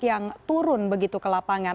yang turun begitu ke lapangan